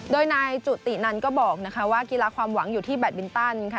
โดยนายจุตินันก็บอกว่ากีฬาความหวังอยู่ที่แบตบินตันค่ะ